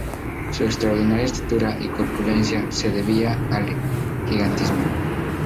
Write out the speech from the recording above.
Su extraordinaria estatura y corpulencia se debía al gigantismo.